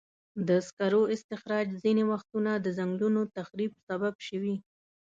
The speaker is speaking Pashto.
د سکرو استخراج ځینې وختونه د ځنګلونو تخریب سبب شوی.